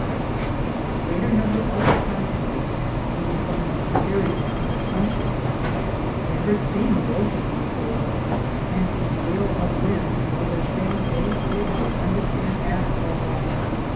The greater part of the passengers, being from the interior of the country, had never seen the ocean 18 THE GOLD HUNTERS before, and a gale of wind was a thing they did not understand at all.